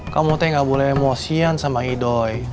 kamu teh gak boleh emosian sama idoy